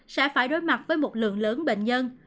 sẽ phải đối mặt với một lượng lớn bệnh nhân